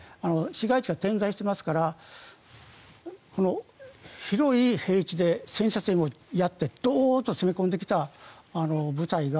市街地が点在していますから広い平地で戦車戦をやってドーンと攻め込んできた部隊